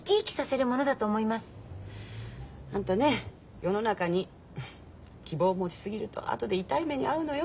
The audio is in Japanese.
あんたね世の中に希望を持ち過ぎると後で痛い目に遭うのよ。